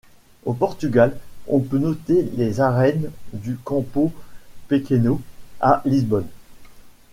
Au Portugal on peut noter les arènes du Campo Pequeno, à Lisbonne.